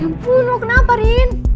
ya ampun lo kenapa rin